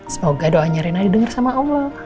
semoga doanya rina didengar sama allah